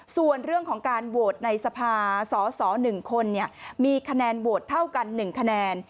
ส่วนเรื่องของการโหวตในสภาสส๑คนมีคะแนนโหวตเท่ากัน๑คะแนน